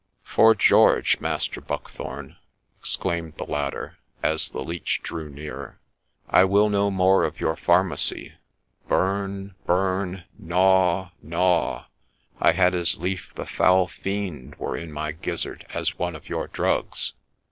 ' 'Fore George, Master Buckthorne !' exclaimed the latter, as the Leech drew near, ' I will no more of your pharmacy ;— burn, burn, gnaw, gnaw, — I had as lief the foul fiend were in my gizzard as one of your drugs.